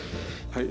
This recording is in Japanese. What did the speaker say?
はい。